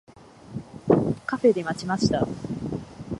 カフェで待ちました。